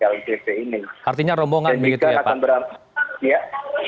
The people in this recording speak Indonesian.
artinya rombongan begitu ya pak